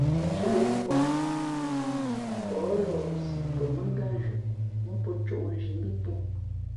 Ά pen cə̌ngwǎ, pαh lάάsí pα mᾱngátnzhʉʼ mά pō cōʼnzhi mbí pō.